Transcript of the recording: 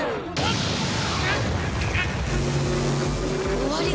終わりだ！